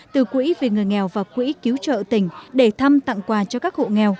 từ quỹ vì người nghèo và quỹ cứu trợ tỉnh để thăm tặng quà cho các hộ nghèo